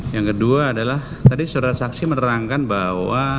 yang kedua adalah tadi saudara saksi menerangkan bahwa